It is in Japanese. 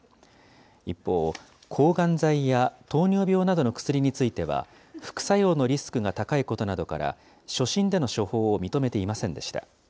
一方、抗がん剤や糖尿病などの薬については、副作用のリスクが高いことなどから、初診での処方を認めていませんでした。